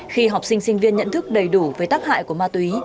khi học sinh sinh viên nhận thức đầy đủ về tác hại của ma túy